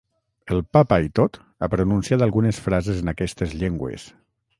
El papa i tot ha pronunciat algunes frases en aquestes llengües.